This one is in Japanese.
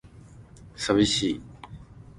寂しい